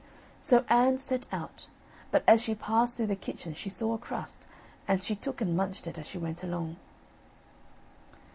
So Anne set out, but as she passed through the kitchen she saw a crust, and she took and munched it as she went along.